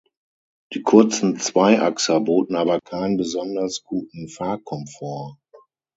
Die kurzen Zweiachser boten aber keinen besonders guten Fahrkomfort.